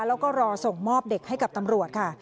แล้วก็รอส่งมอบเด็กให้กับตำรวจค่ะ